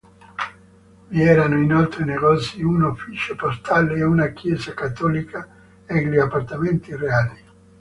Vi erano inoltre negozi, un ufficio postale, una chiesa cattolica e gli appartamenti reali.